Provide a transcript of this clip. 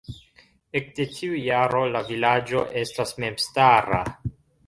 Ekde tiu jaro la vilaĝo estas memstara.